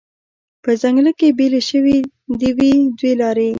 په ځنګله کې بیلې شوې دي دوې لارې